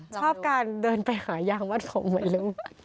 ชอบการเดินไปหายางวัดผมไว้ลุง